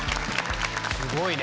すごいね。